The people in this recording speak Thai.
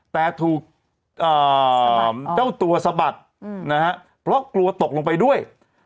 แต่ถูกเจ้าตัวสะบัดนะฮะเพราะกลัวตกลงไปด้วย